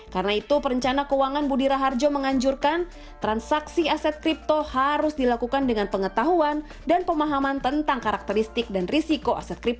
karena itu perencana keuangan budira harjo menganjurkan transaksi aset kripto harus dilakukan dengan pengetahuan dan pemahaman tentang karakteristik dan risiko